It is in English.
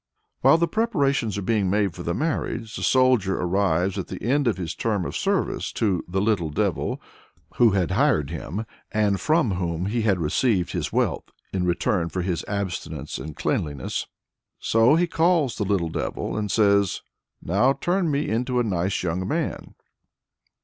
While the preparations are being made for the marriage, the soldier arrives at the end of his term of service to "the little devil" who had hired him, and from whom he had received his wealth in return for his abstinence and cleanliness. So he calls the "little devil," and says, "Now turn me into a nice young man."